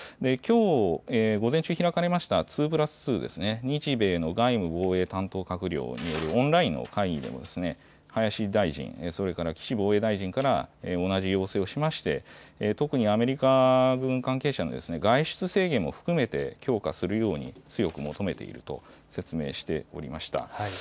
きょう午前中開かれました２＋２ですね、日米の外務防衛担当閣僚によるオンラインの会議でも、林大臣、それから岸防衛大臣から同じ要請をしまして、特に、アメリカ軍関係者の外出制限も含めて強化するように、強く求めていると説明しておりました。